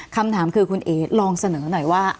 คำถามคือคุณเอ๋ลองเสนอหน่อยว่า